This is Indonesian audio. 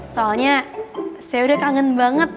soalnya saya udah kangen banget